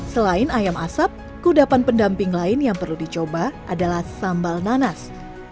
selain ayam asap kudapan pendamping lain yang perlu dicoba adalah sambal nanas